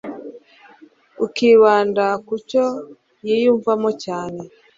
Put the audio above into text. ukibanda ku cyo yiyumvamo cyane ,